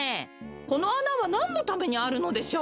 このあなはなんのためにあるのでしょう？